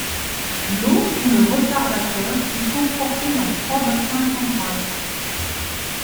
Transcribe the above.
L'eau ou le retardateur est transporté dans trois bassins central.